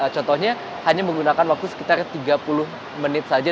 contohnya hanya menggunakan waktu sekitar tiga puluh menit saja